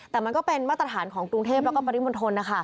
แต่มันก็เป็นมาตรฐานของกรุงเทพแล้วก็ปริมณฑลนะคะ